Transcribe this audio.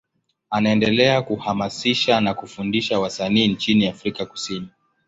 Anaendelea kuhamasisha na kufundisha wasanii nchini Afrika Kusini.